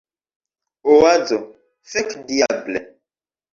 Oazo: "Fekdiable!"